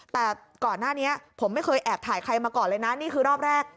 แต่ก่อนหน้านี้ผมไม่เคยแอบถ่ายใครมาก่อนเลยนะนี่คือรอบแรก